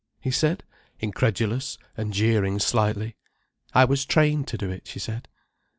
he said, incredulous, and jeering slightly. "I was trained to do it," she said.